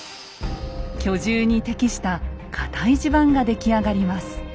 居住に適した堅い地盤が出来上がります。